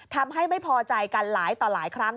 ทำให้ไม่พอใจกันหลายต่อหลายครั้ง